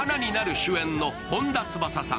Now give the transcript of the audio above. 主演の本田翼さん。